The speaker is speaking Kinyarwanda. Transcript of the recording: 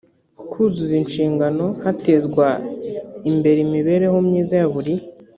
kuzuza inshingano hatezwa imbere imibereho myiza ya buri